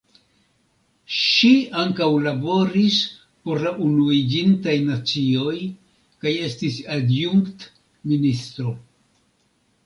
Ŝi ankaŭ laboris por la Unuiĝintaj Nacioj kaj estis adjunkt-ministro.